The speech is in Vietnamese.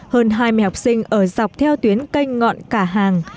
hơn hai mươi học sinh ở dọc theo tuyến canh ngọn cả hàng